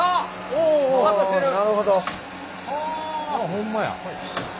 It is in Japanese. ホンマや。